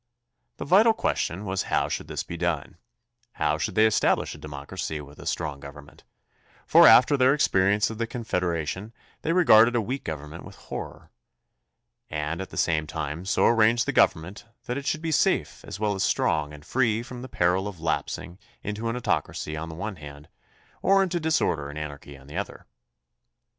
The vital question was how should this be done; how should they establish a democracy with a strong gov ernment — for after their experience of the Confedera tion they regarded a weak government with horror — and at the same time so arrange the government that it should be safe as well as strong and free from the peril of lapsing into an autocracy on the one hand, or into disorder and anarchy on the other?